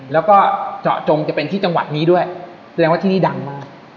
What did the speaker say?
แล้วก็เจาะจงจะเป็นที่จังหวัดนี้ด้วยแสดงว่าที่นี่ดังมาก